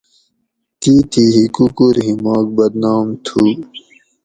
تِتھی ہکوکور ہیماک بدنام تھو